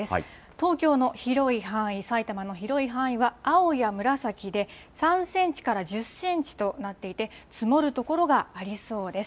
東京の広い範囲、埼玉の広い範囲は青や紫で、３センチから１０センチとなっていて、積もる所がありそうです。